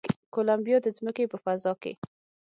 کولمبیا د ځمکې په فضا کې